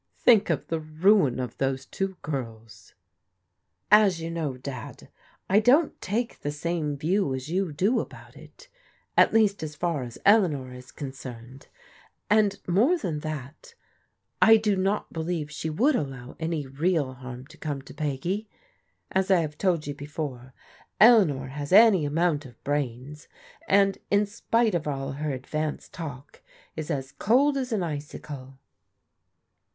Think of the ruin of those two girls." "As you know, Dad, I don't take the same view as you do about it, at least as far as Eleanor is concerned, and more than that, I do not believe she would allow any real harm to come to Peggy. As I have told you before, Eleanor has any amount of brains, and in spite of all her advanced talk is as cold as an icicle."